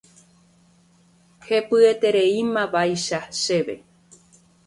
Hepyetereímavaicha chéve.